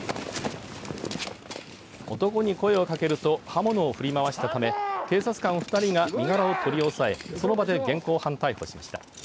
男に声をかけると刃物を振り回したため警察官２人が身柄を取り押さえその場で現行犯逮捕しました。